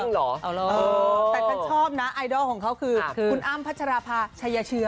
แต่ฉันชอบนะไอดอลของเขาคือคุณอ้ำพัชราภาชัยเชื้อ